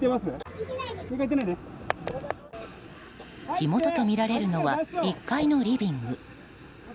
火元とみられるのは１階のリビング。